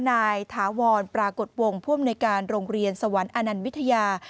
ถาวรปรากฏวงผู้อำนวยการโรงเรียนสวรรค์อนันต์วิทยา